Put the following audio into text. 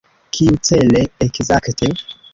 Kiucele ekzakte?